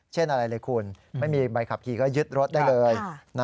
เช่นอะไรเลยคุณไม่มีใบขับขี่ก็ยึดรถได้เลย